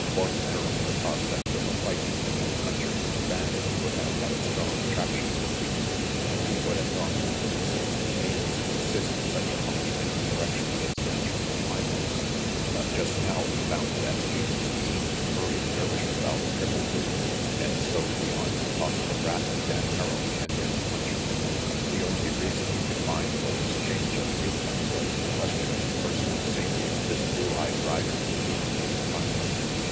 Ordinarily the prospect of a fight between punchers and bandits would have had a strong attraction for Pete, and he would have gone to considerable pains to assist such a function in the direction of its natural climax, but just now he found that he was keen to hurry the Dervishers out of Triple Butte and so beyond the possible wrath of Dan Merrill and his punchers. The only reason he could find for this change of viewpoint was the question of the personal safety of this blue eyed rider immediately in front of him.